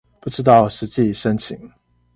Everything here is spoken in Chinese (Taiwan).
不知道實際申請